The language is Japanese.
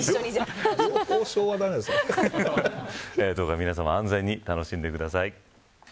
どうか皆さま安全に楽しんでください。